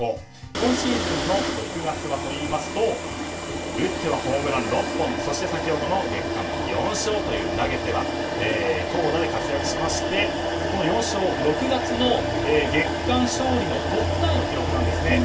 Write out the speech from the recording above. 今シーズンの６月はといいますと打ってはホームラン６本そして先ほどの月間４勝という投打で活躍しましてこの４勝は６月の月間勝利のトップタイの記録なんです。